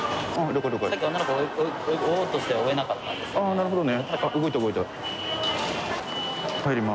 なるほどね。